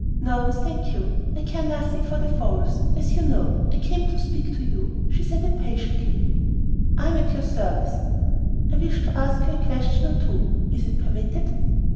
"No, thank you I care nothing for the fowls, as you know; I came to speak to you," she said impatiently. "I am at your service." "I wish to ask you a question or two is it permitted?"